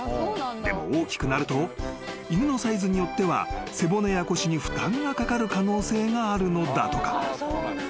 ［でも大きくなると犬のサイズによっては背骨や腰に負担がかかる可能性があるのだとか］